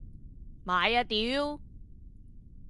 買啊屌！